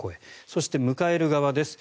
そして、迎える側です。